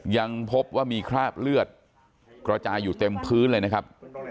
ยังพบว่ามีคราบเลือดกระจายอยู่เต็มพื้นเลยนะครับ